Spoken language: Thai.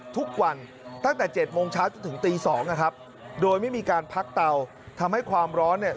ตั้งแต่๗โมงเช้าจนถึงตีสองนะครับโดยไม่มีการพักเตาทำให้ความร้อนเนี่ย